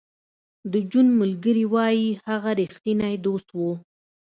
د جون ملګري وایی هغه رښتینی دوست و